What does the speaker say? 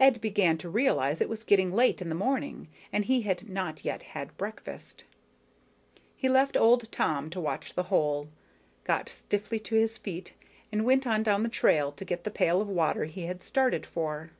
Ed began to realize it was getting late in the morning, and he had not yet had breakfast. He left old Tom to watch the hole, got stiffly to his feet and went on down the trail to get the pail of water he had started for.